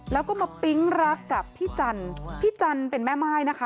แล้วก็มาปิ๊งรักกับพี่จันทร์พี่จันเป็นแม่ม่ายนะคะ